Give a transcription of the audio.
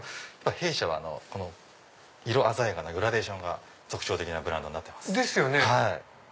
弊社は色鮮やかなグラデーションが特徴的なブランドになってます。ですよね。